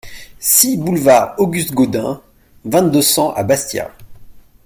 six boulevard Auguste Gaudin, vingt, deux cents à Bastia